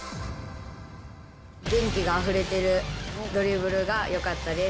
元気があふれてるドリブルがよかったです。